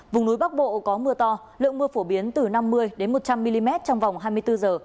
vùng núi bắc bộ có mưa to lượng mưa phổ biến từ năm mươi một trăm linh mm trong vòng hai mươi bốn h